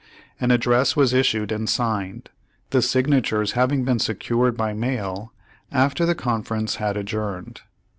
An address was issued and signed, the signa tures having been secured by mail after the con ference had adjourned.